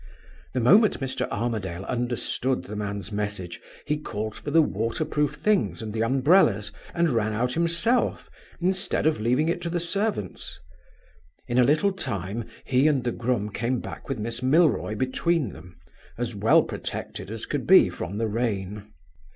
"The moment Mr. Armadale understood the man's message, he called for the water proof things and the umbrellas, and ran out himself, instead of leaving it to the servants. In a little time he and the groom came back with Miss Milroy between them, as well protected as could be from the rain.